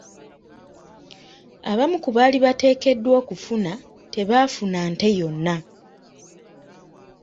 Abamu ku baali bateekeddwa okufuna tebaafuna nte yonna.